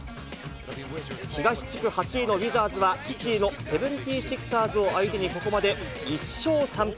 東地区８位のウィザーズは、１位のセブンティシクサーズを相手にここまで１勝３敗。